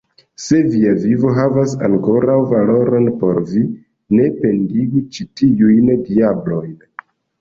Se via vivo havas ankoraŭ valoron por vi, ne pendigu ĉi tiujn diablojn!